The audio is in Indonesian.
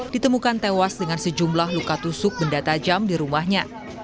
ditemukan tewas dengan sejumlah luka tusuk benda tajam di rumahnya